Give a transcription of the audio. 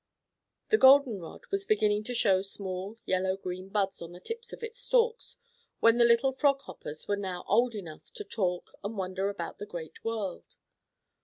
The golden rod was beginning to show small yellow green buds on the tips of its stalks, and the little Frog Hoppers were now old enough to talk and wonder about the great world.